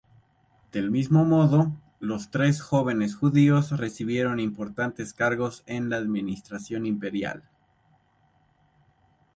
Del mismo modo, los tres jóvenes judíos recibieron importantes cargos en la administración imperial.